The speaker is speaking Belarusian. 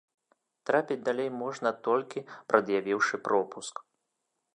Трапіць далей можна толькі прад'явіўшы пропуск.